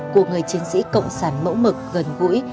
của người chiến sĩ cộng sản mẫu mực gần gũi